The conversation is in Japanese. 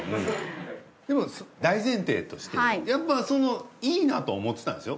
でも大前提としてやっぱいいなとは思ってたんでしょ？